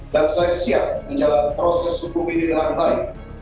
dan saya siap menjalankan proses hukum ini dengan baik